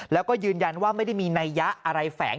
แล้วก็ยืนยันว่าไม่ได้มีนัยยะอะไรแฝง